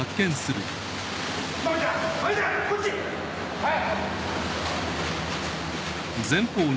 はい！